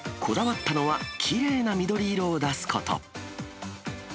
こだわったのは、きれいな緑色を出すこと。